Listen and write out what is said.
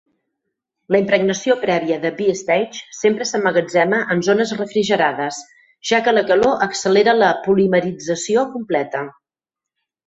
La impregnació prèvia de B-Stage sempre s'emmagatzema en zones refrigerades, ja que la calor accelera la polimerització completa.